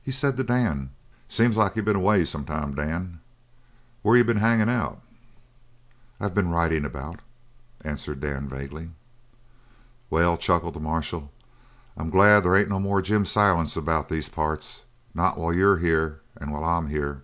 He said to Dan: "Seems like you been away some time, Dan. Where you been hangin' out?" "I been ridin' about," answered Dan vaguely. "Well," chuckled the marshal, "I'm glad they ain't no more Jim Silents about these parts not while you're here and while I'm here.